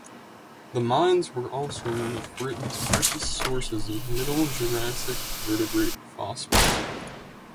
The mines were also one of Britain's richest sources of Middle Jurassic vertebrate fossils.